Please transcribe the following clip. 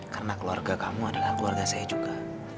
karena keluarga kamu adalah keluarga saya juga